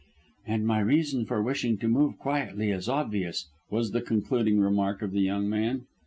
"And my reason for wishing to move quietly is obvious," was the concluding remark of the young man.